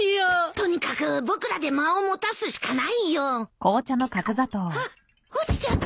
とにかく僕らで間を持たすしかないよ。あっ落ちちゃった。